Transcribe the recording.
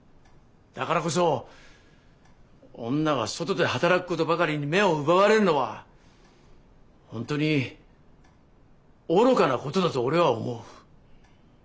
だからこそ女が外で働くことばかりに目を奪われるのは本当に愚かなことだと俺は思う。